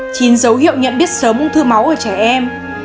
chín dấu hiệu nhận biết sớm ung thư máu ở trẻ em